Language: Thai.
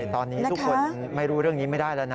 ตอนนี้ทุกคนไม่รู้เรื่องนี้ไม่ได้แล้วนะ